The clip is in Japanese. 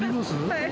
はい。